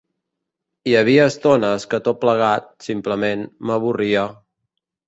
Hi havia estones que tot plegat, simplement, m'avorria